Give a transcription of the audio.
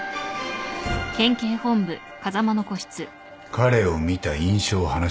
彼を見た印象を話してみろ。